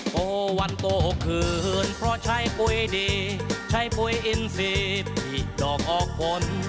โปรวันโตขืนเพราะใช้ปุ๋ยดีใช้ปุ๋ยอินฟิปหิดดอกออกกลน